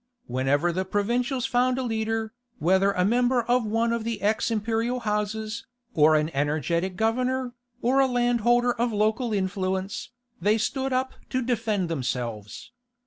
Wherever the provincials found a leader, whether a member of one of the ex imperial houses, or an energetic governor, or a landholder of local influence, they stood up to defend themselves.